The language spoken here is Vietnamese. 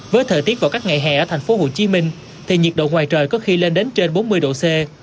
với thời tiết vào các ngày hè ở thành phố hồ chí minh thì nhiệt độ ngoài trời có khi lên đến trên bốn mươi độ c